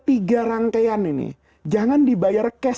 tiga rangkaian ini jangan dibayar cash